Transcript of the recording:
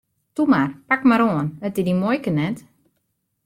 Toe mar, pak mar oan, it is dyn muoike net!